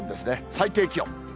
最低気温。